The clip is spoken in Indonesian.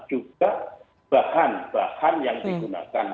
juga bahan bahan yang digunakan